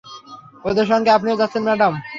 ওদের সঙ্গে আপনিও যাচ্ছেন, ম্যাডাম?